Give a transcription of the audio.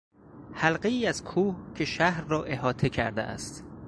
حلقهای از کوه که شهر را احاطه کرده است